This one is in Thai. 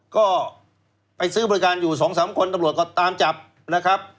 ก็ไปซื้อบริการอยู่๒๓คนตำรวจก็ตามจับนะครับ